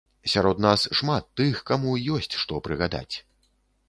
Сярод нас шмат тых, каму ёсць, што прыгадаць.